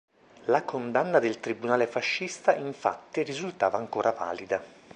La condanna del tribunale fascista, infatti, risultava ancora valida.